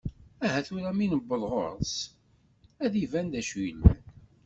Aha tura, mi neweḍ ɣer-s ad iban d acu yellan.